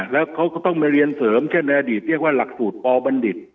แล้วเขาก็ต้องไปเรียนเสริมเช่นในอดีตเรียกว่าหลักสูตรปบัณฑิต